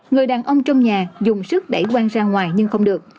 người đàn ông trong nhà dùng sức đẩy quang ra ngoài nhưng không được